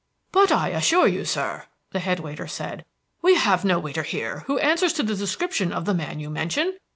"But I assure you, sir," the head waiter said, "we have no waiter here who answers to the description of the man you mention.